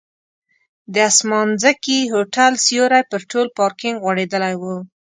د اسمانځکي هوټل سیوری پر ټول پارکینک غوړېدلی و.